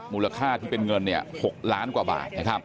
มูลค่าที่เป็นเงิน๖ล้านกว่าบาท